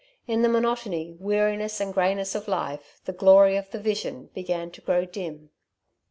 In the monotony, weariness and greyness of life the glory of the Vision began to grow dim.